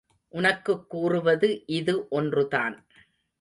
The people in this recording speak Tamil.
உனக்குக் கூறுவது இது ஒன்றுதான்.